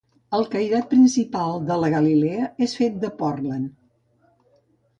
El cairat principal de la galilea és fet de pòrtland.